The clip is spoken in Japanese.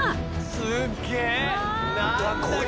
すっげえ！